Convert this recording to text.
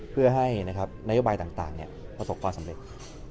เพื่อให้นะครับนโยบายต่างเนี่ยประสบความสำเร็จ